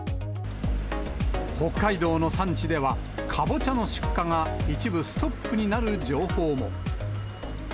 北海道の産地では、カボチャの出荷が一部ストップになる情報も。